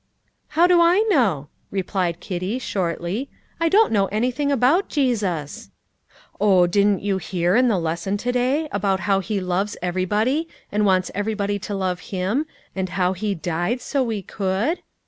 "How do I know?" replied Kitty shortly. "I don't know anything about Jesus." "Oh, didn't you hear, in the lesson to day, about how He loves everybody, and wants everybody to love Him, and how He died so we could?"